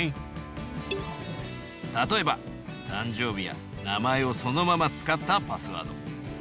例えば誕生日や名前をそのまま使ったパスワード。